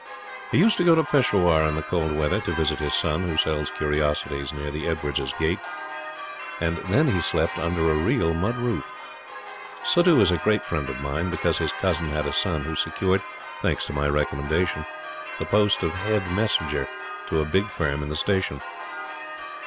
He used to go to Peshawar in the cold weather to visit his son, who sells curiosities near the Edwardes' Gate, and then he slept under a real mud roof. Suddhoo is a great friend of mine, because his cousin had a son who secured, thanks to my recommendation, the post of head messenger to a big firm in the Station.